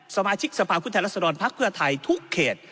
สมาชิกสภาพคุณธรรมสนพรรคเบื้อไทยทุกเขต